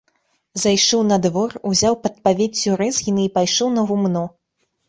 Зайшоў на двор, узяў пад павеццю рэзгіны і пайшоў на гумно.